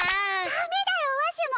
ダメだよわしも！